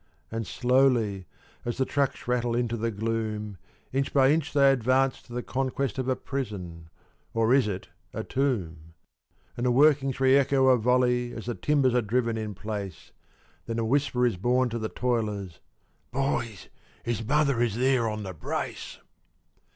and slowly, as the trucks rattle into the gloom, Inch by inch they advance to the conquest of a prison or is it a tomb? And the workings re echo a volley as the timbers are driven in place; Then a whisper is borne to the toilers: "Boys, his mother is there on the brace!"